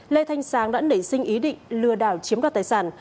lê thanh sáng đã nể sinh ý định lừa đảo chiếm các tài sản